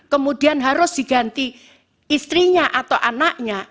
kemudian harus diganti istrinya atau anaknya